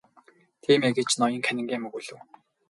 Тийм ээ гэж ноён Каннингем өгүүлэв.